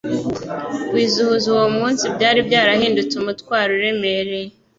kwizihiza uwo munsi byari byarahindutse umutwaro uremereye.